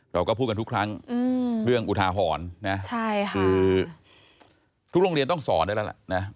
เราก็พูดกันทุกครั้งเรื่องอุทาหรณ์นะคือทุกโรงเรียนต้องสอนได้แล้วล่ะนะ